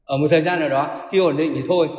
ở một thời gian nào đó khi ổn định thì thôi